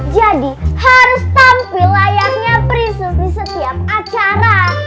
jadi harus tampil layaknya prinsip di setiap acara